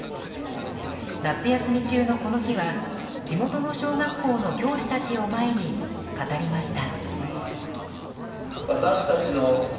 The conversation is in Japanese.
夏休み中のこの日は地元の小学校の教師たちを前に語りました。